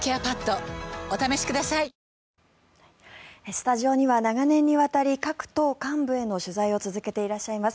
スタジオには長年にわたり各党幹部への取材を続けていらっしゃいます